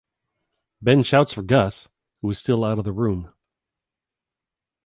Ben shouts for Gus, who is still out of the room.